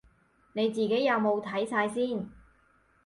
你自己有冇睇晒先